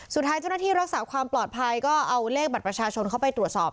สุดท้ายเจ้าหน้าที่รักษาความปลอดภัยก็เอาเลขบัตรประชาชนเข้าไปตรวจสอบ